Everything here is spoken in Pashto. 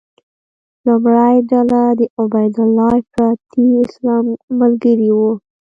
لومړۍ ډله د عبیدالله افراطي اسلام ملګري وو.